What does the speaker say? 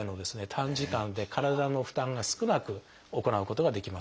短時間で体の負担が少なく行うことができます。